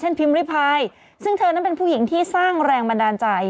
พิมพ์ริพายซึ่งเธอนั้นเป็นผู้หญิงที่สร้างแรงบันดาลใจ